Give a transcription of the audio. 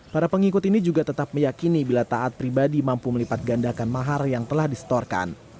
para pengikut ini juga tetap meyakini bila taat pribadi mampu melipat gandakan mahar yang telah disetorkan